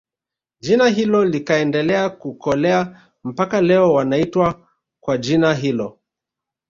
Jina hilo likaendelea kukolea mpaka leo wanaitwa kwa jina hilo